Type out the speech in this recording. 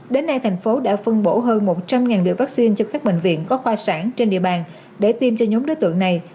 đến nay thành phố đã phân bổ hơn một trăm linh liều vaccine cho các bệnh viện có khoa sản trên địa bàn để tiêm cho nhóm đối tượng này